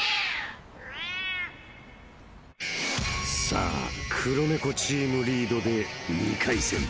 ［さあ黒猫チームリードで２回戦］